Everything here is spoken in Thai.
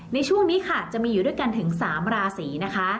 ในช่วงนี้ค่ะจะมีอยู่ด้วยกันถึง๓ราศีนะคะ